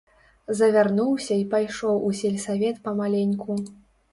Завярнуўся й пайшоў у сельсавет памаленьку.